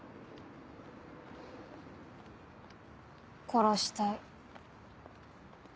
殺したい。